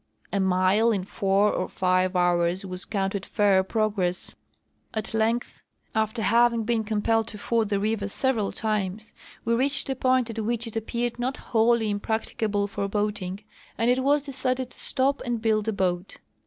A mile in four or five hours Avas counted fair progress. At length, after having been compelled to ford the river several times, we reached a point at Avhich it appeared not Avholly im practicable for boating, and it Avas decided to stop and build a boat.